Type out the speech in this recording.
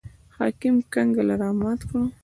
حاکم کنګل رامات کړي.